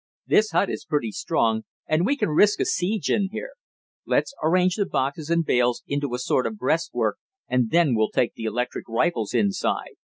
This hut is pretty strong, and we can risk a siege in here. Let's arrange the boxes and bales into a sort of breastwork, and then we'll take the electric rifles inside."